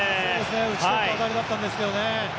打ち取った当たりだったんですけどね。